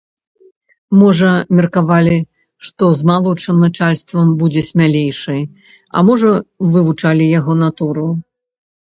Можа, меркавалі, што з малодшым начальствам будзе смялейшы, а можа, вывучалі яго натуру?